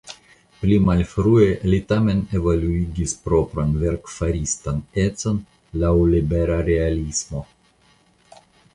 Pli malfrue li tamen evoluigis propran verkfaristan econ laŭ libera realismo.